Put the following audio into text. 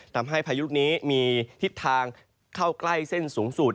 พายุลูกนี้มีทิศทางเข้าใกล้เส้นสูงสุด